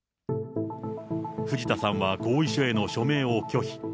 藤田さんは合意書への署名を拒否。